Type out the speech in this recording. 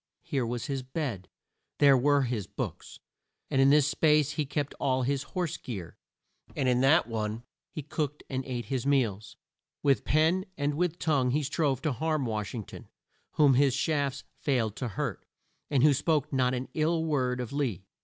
Here was his bed, there were his books; in this space he kept all his horse gear, and in that one he cooked and ate his meals. With pen and with tongue he strove to harm Wash ing ton, whom his shafts failed to hurt, and who spoke not an ill word of Lee.